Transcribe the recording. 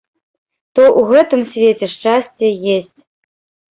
То ў гэтым свеце шчасце есць.